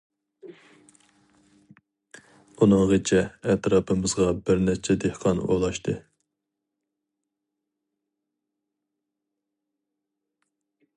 ئۇنىڭغىچە ئەتراپىمىزغا بىر نەچچە دېھقان ئولاشتى.